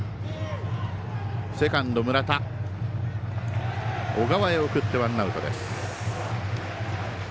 セカンド、村田が小川へ送って、ワンアウトです。